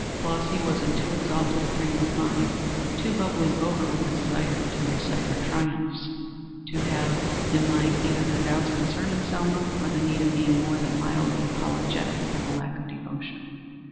Flossy was in too exalted a frame of mind, too bubbling over with the desire to recite her triumphs, to have in mind either her doubts concerning Selma or the need of being more than mildly apologetic for her lack of devotion.